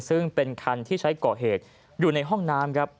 ซึ่งเป็นคันที่ใช้ก่อเหตุอยู่ในห้องน้ำครับ